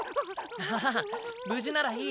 ああ無事ならいい。